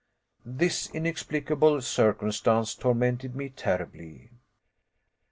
This inexplicable circumstance tormented me terribly.